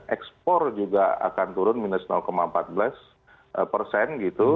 ekspor juga akan turun minus empat belas persen gitu